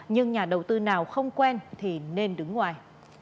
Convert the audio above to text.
nhưng nhà đầu tư nào không quen thì nên đứng ngoài